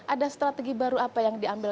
ada strategi baru apa yang diambil